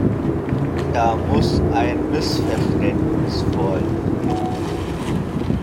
Da muss ein Missverständnis vorliegen.